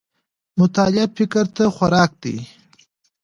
مطالعه فکر ته خوراک دی